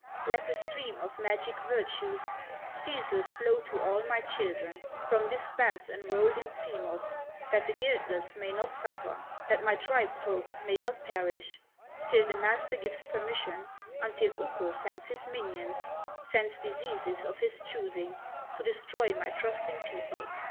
Let the stream of magic virtues Ceaseless flow to all my children, From this bath enrolled in sea moss, That the guiltless may not suffer, That my tribe folk may not perish, Till the Master gives permission, Until Ukko sends his minions, Sends diseases of his choosing, To destroy my trusting people.